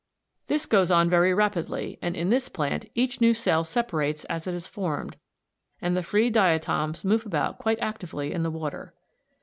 This goes on very rapidly, and in this plant each new cell separates as it is formed, and the free diatoms move about quite actively in the water.